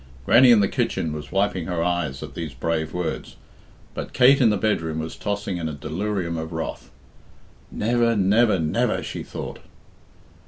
Grannie in the kitchen was wiping her eyes at these brave words, but Kate in the bedroom was tossing in a delirium of wrath. "Never, never, never!" she thought.